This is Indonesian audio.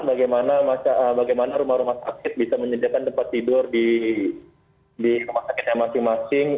bagaimana rumah rumah sakit bisa menyediakan tempat tidur di rumah sakitnya masing masing